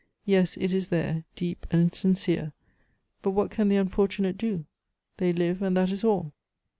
"Yes, it is there, deep and sincere. But what can the unfortunate do? They live, and that is all."